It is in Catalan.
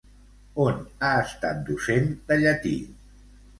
On ha estat docent de llatí?